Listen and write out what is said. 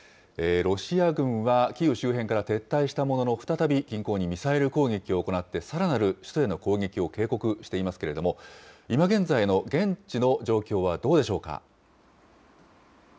ロシア軍はキーウ周辺から撤退したものの再び、近郊にミサイル攻撃を行って、さらなる首都への攻撃を警告していますけれども、今現在の現地の状況はどうでしょうか。